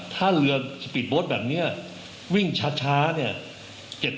ถ้าเรือสปีดโบสต์แบบนี้วิ่งช้าเนี่ย